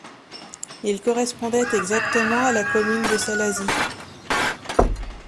Il correspondait exactement à la commune de Salazie.